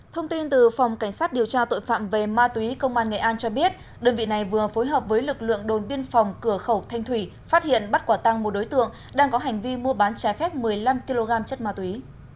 thông tin từ phòng cảnh sát điều tra tội phạm về ma túy công an nghệ an cho biết đơn vị này vừa phối hợp với lực lượng đồn biên phòng cửa khẩu thanh thủy phát hiện bắt quả tăng một đối tượng đang có hành vi mua bán trái phép một mươi năm kg chất ma túy